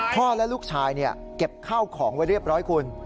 และลูกชายเก็บข้าวของไว้เรียบร้อยคุณ